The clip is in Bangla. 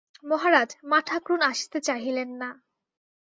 মহারাজ, মা-ঠাকরুন আসিতে চাহিলেন না।